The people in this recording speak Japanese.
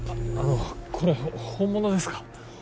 ああのこれ本物ですか？